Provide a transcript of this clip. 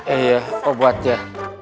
iya obat ya